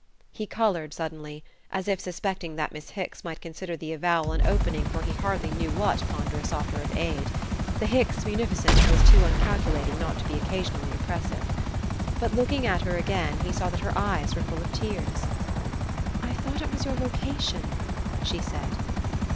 He coloured suddenly, as if suspecting that Miss Hicks might consider the avowal an opening for he hardly knew what ponderous offer of aid. The Hicks munificence was too uncalculating not to be occasionally oppressive. But looking at her again he saw that her eyes were full of tears. "I thought it was your vocation," she said.